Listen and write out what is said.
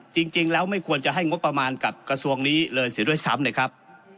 จริงแล้วไม่ควรจะให้งบประมาณกับกระทรวงนี้เลยเสียด้วยซ้ำนะครับ